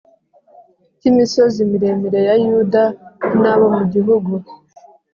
cy imisozi miremire ya Yuda n abo mu gihugu